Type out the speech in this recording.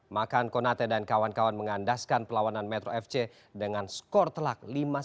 makan konate dan kawan kawan mengandaskan perlawanan metro fc dengan skor telak lima satu